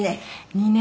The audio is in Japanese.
２年。